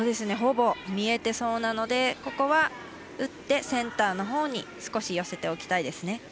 ほぼ見えてそうなのでここは、打ってセンターのほうに少し寄せておきたいですね。